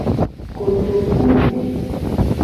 Kotokuwui.